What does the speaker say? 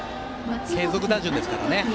継続打順ですからね。